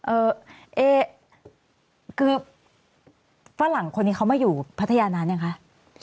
เอ่อเอคือฝรั่งคนนี้เขามาอยู่พัทยานานยังคะ